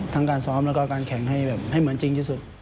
ทั้งการซ้อมแล้วการแข่งให้เหมือนจริงที่สุด